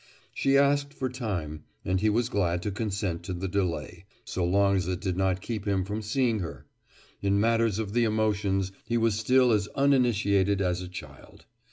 She asked for time, and he was glad to consent to the delay, so long as it did not keep him from seeing her. In matters of the emotions he was still as uninitiated as a child.